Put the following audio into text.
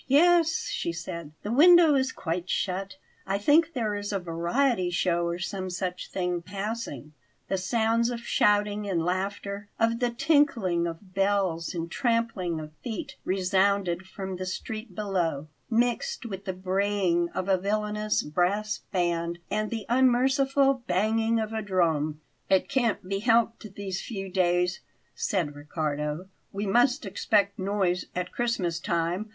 "Yes," she said, "the window is quite shut. I think there is a variety show, or some such thing, passing." The sounds of shouting and laughter, of the tinkling of bells and trampling of feet, resounded from the street below, mixed with the braying of a villainous brass band and the unmerciful banging of a drum. "It can't be helped these few days," said Riccardo; "we must expect noise at Christmas time.